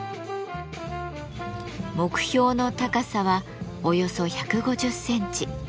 目標の高さはおよそ１５０センチ。